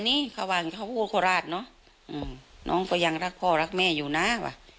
นี่เขาว่าเขาพูดขวราชเนอะน้องก็ยังรักพ่อรักแม่อยู่นะว่ะ